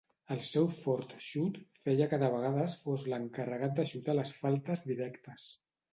El seu fort xut feia que de vegades fos l'encarregat de xutar les faltes directes.